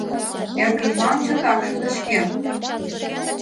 Эргыжланат чотак шыдешкен.